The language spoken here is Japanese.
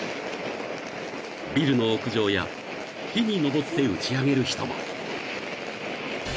［ビルの屋上や木に登って打ち上げる人も］